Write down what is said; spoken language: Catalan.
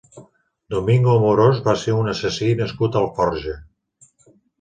Domingo Amorós va ser un assassí nascut a Alforja.